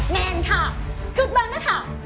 แม่นค่ะกรุ๊ดเบิ้ลนะค่ะ